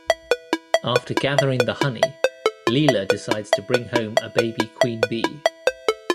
After gathering the honey, Leela decides to bring home a baby queen bee.